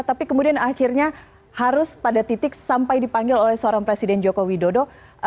tapi kemudian akhirnya harus pada titik sampai dipanggil oleh seorang presiden joko widodo